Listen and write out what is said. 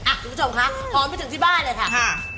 คุณผู้ชมคะหอมไปถึงที่บ้านเลยค่ะ